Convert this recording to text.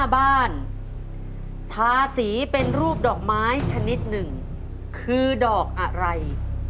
บ้านทาสีเป็นรูปดอกไม้ชนิดหนึ่งคือดอกอะไร